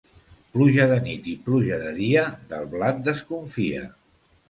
Pluja de nit i pluja de dia, del blat desconfia.